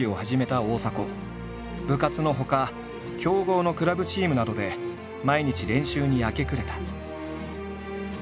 部活のほか強豪のクラブチームなどで毎日練習に明け暮れた。